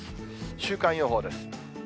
週間予報です。